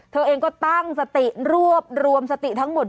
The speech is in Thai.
เธอเองก็ตั้งสติรวบรวมสติทั้งหมด